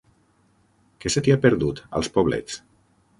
Què se t'hi ha perdut, als Poblets?